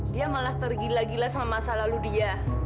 dia malah tergila gila sama masa lalu dia